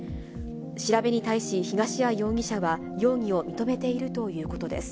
調べに対し東谷容疑者は容疑を認めているということです。